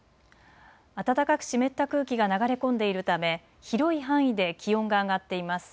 暖かく湿った空気が流れ込んでいるため広い範囲で気温が上がっています。